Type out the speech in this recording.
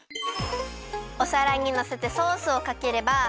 おさらにのせてソースをかければ。